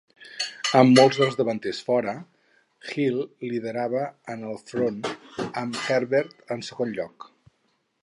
Amb molts dels davanters fora, Hill liderava en el front, amb Herbert en segon lloc.